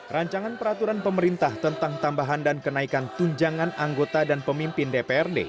rancangan peraturan pemerintah tentang tambahan dan kenaikan tunjangan anggota dan pemimpin dprd